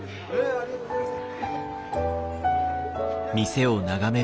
ありがとうございます！